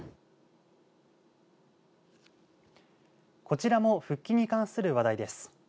こちらも復帰に関する話題です。